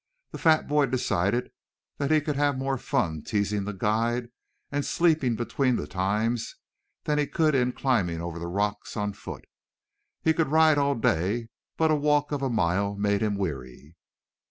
The fat boy decided that he could have more fun teasing the guide and sleeping between times than he could in climbing over the rocks on foot. He could ride all day, but a walk of a mile made him weary.